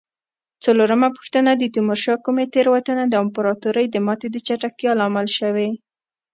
څلورمه پوښتنه: د تیمورشاه کومې تېروتنه د امپراتورۍ د ماتې د چټکتیا لامل شوې؟